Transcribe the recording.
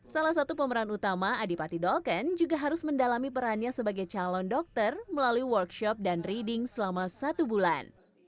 salah satu pemeran utama adipati dolken juga harus mendalami perannya sebagai calon dokter melalui workshop dan reading selama satu bulan